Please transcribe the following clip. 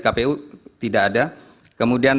kpu tidak ada kemudian